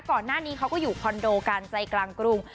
ก่อนหน้านี้เขาก็อยู่คอนโดการใจกลางกรุง